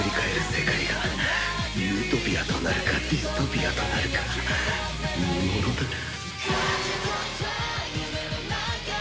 世界がユートピアとなるかディストピアとなるか見ものだな。